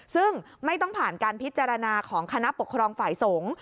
ซึ่งไม่ต้องผ่านการพิจารณาของคณะปกครองฝ่ายสงฆ์